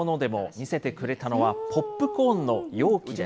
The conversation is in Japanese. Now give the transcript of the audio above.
見せてくれたのはポップコーンの容器です。